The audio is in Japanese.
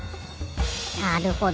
なるほど。